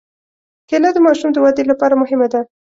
کېله د ماشوم د ودې لپاره مهمه ده.